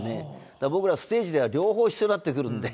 だから僕らステージでは両方必要になってくるんで。